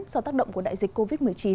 do tác động của đại dịch covid một mươi chín